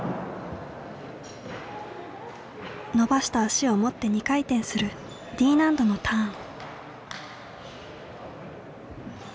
伸ばした足を持って２回転するＤ難度のターン。